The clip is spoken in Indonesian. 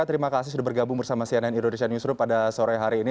terima kasih sudah bergabung bersama cnn indonesia newsroom pada sore hari ini